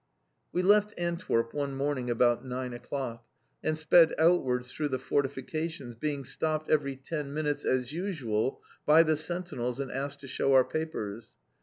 We left Antwerp one morning about nine o'clock, and sped outwards through the fortifications, being stopped every ten minutes as usual by the sentinels and asked to show our papers.